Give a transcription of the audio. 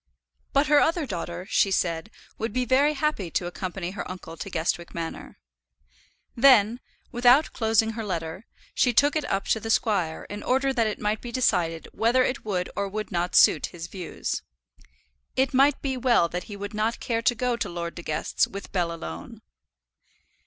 But her other daughter, she said, would be very happy to accompany her uncle to Guestwick Manor. Then, without closing her letter, she took it up to the squire in order that it might be decided whether it would or would not suit his views. It might well be that he would not care to go to Lord De Guest's with Bell alone.